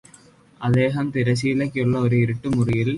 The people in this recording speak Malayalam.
അദ്ദേഹം തിരശ്ശീലയുള്ള ഒരു ഇരുട്ടുമുറിയില്